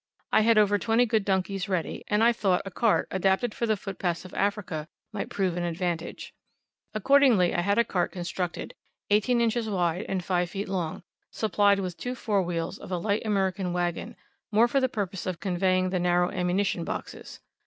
I had over twenty good donkeys ready, and I thought a cart adapted for the footpaths of Africa might prove an advantage. Accordingly I had a cart constructed, eighteen inches wide and five feet long, supplied with two fore wheels of a light American wagon, more for the purpose of conveying the narrow ammunition boxes.